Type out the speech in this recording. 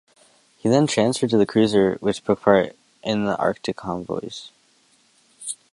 He then transferred to the cruiser which took part in the Arctic convoys.